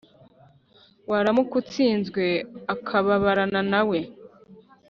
waramuka utsinzwe, akababarana nawe.